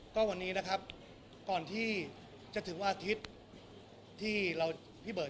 ก็วันนี้นะครับก่อนที่จะถึงวันอาทิตย์ที่เราพี่เบิร์ด